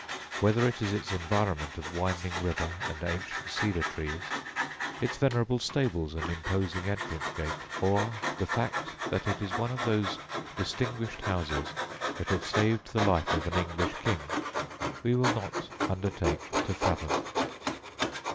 Whether it is its environment of winding river and ancient cedar trees, its venerable stables and imposing entrance gate, or the fact that it is one of those distinguished houses that have saved the life of an English king, we will not undertake to fathom.